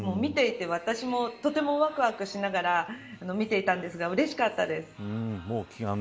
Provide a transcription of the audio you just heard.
見ていて私も、とてもわくわくしながら見ていたんですがうれしかったです。